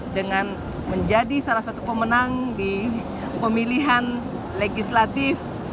dengan menjadi salah satu pemenang di pemilihan legislatif